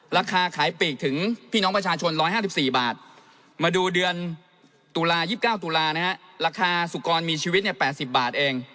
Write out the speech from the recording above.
ราคาขายปีกถึงพี่น้องประชาชน๑๕๔บาทมาดูเดือนตุลา๒๙ตุลานะฮะราคาสุกรมีชีวิต๘๐บาทเอง